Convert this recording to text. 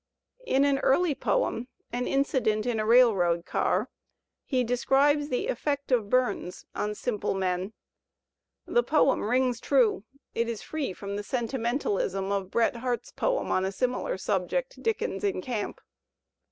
In an early poem, ''An Incident in a Railroad Car," he describes the effect of Bums on simple men. The poem rings true; it is free Digitized by Google LOWELL 191 from the sentimentalism of Bret Harte's poem on a similar subject, "Dickens in Camp."